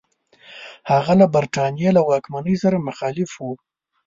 هغه له برټانیې له واکمنۍ سره مخالف وو.